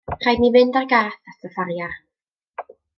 Rhaid i ni fynd â'r gath at y ffariar.